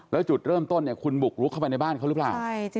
แล้วจุดเริ่มต้นเนี่ยคุณบุกลุกเข้าไปในบ้านเขาหรือเปล่า